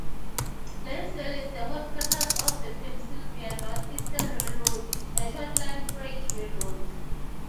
Lansdale is the headquarters of the Pennsylvania Northeastern Railroad, a short-line freight railroad.